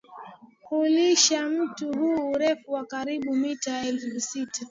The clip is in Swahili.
hulisha mto huu urefu wa karibu mita elfusita